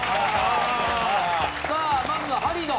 さあまずハリード。